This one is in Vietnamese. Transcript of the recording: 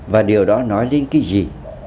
và điều đó nói lên cái gì